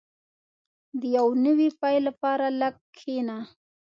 • د یو نوي پیل لپاره لږ کښېنه.